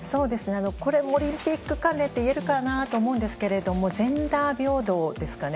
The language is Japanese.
これもオリンピック関連っていえるかなと思うんですけどジェンダー平等ですかね。